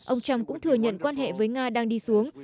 ông trump cũng thừa nhận quan hệ với nga đang đi xuống